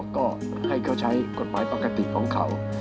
ก็ให้เขาใช้กฎหมายปกติของเขา